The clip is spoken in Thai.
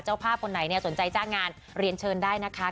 ภาพคนไหนสนใจจ้างงานเรียนเชิญได้นะคะ